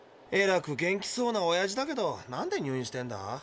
えらく元気そうなおやじだけどなんで入院してんだ？